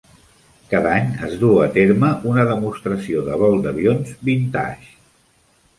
Cada any es duu a terme una demostració de vol d'avions "vintage".